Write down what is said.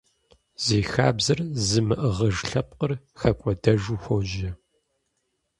Зи хабзэр зымыӀыгъыж лъэпкъыр хэкӀуэдэжу хуожьэ.